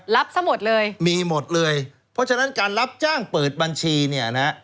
รับซะหมดเลยมีหมดเลยเพราะฉะนั้นการรับจ้างเปิดบัญชีเนี่ยนะ